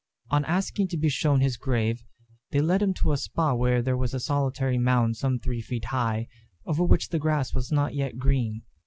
On asking to be shewn his grave, they led him to a spot where there was a solitary mound some three feet high, over which the grass was not yet green.